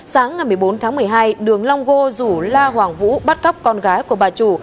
sáng ngày một mươi bốn tháng một mươi hai đường long gô rủ la hoàng vũ bắt cóc con gái của bà chủ